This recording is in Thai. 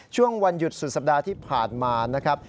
ช่วงวันหยุดสุดสัปดาห์ที่ผ่านมานะครับ